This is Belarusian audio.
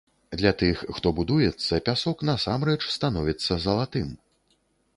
Для тых, хто будуецца, пясок насамрэч становіцца залатым.